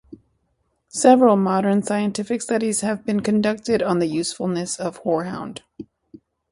Several modern scientific studies have been conducted on the usefulness of horehound.